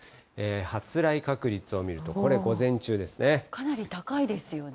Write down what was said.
発雷確率を見ると、これ、午前中かなり高いですよね。